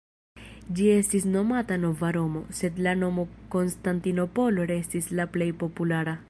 Ĝi estis nomata "Nova Romo", sed la nomo Konstantinopolo restis la plej populara.